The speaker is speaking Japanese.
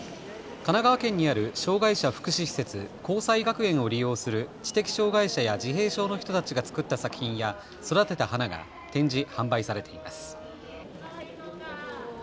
神奈川県にある障害者福祉施設弘済学園を利用する知的障害者や自閉症の人たちが作った作品や育てた花が展示・販売されています。